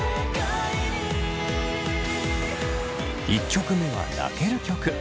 １曲目は泣ける曲。